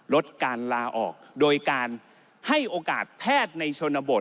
ลดการลาออกโดยการให้โอกาสแพทย์ในชนบท